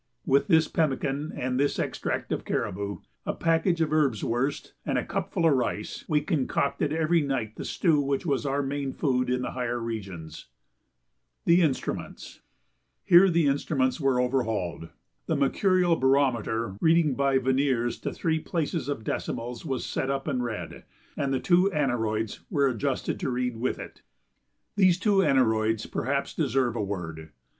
With this pemmican and this extract of caribou, a package of erbswurst and a cupful of rice, we concocted every night the stew which was our main food in the higher regions. [Illustration: Some heads of game killed at the base camp.] [Sidenote: The Instruments] Here the instruments were overhauled. The mercurial barometer reading by verniers to three places of decimals was set up and read, and the two aneroids were adjusted to read with it. These two aneroids perhaps deserve a word.